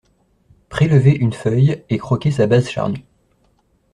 Prélevez une feuille et croquez sa base charnue